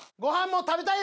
食べたい！